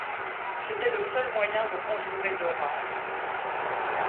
C’était le seul moyen de conjurer Dora.